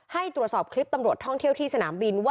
ให้ตรวจสอบคลิปตำรวจท่องเที่ยวที่สนามบินว่า